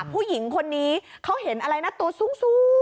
ผู้หญิงคนนี้เขาเห็นอะไรนะตัวสูง